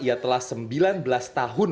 ia telah sembilan belas tahun